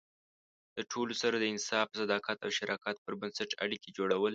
د ټولو سره د انصاف، صداقت او شراکت پر بنسټ اړیکې جوړول.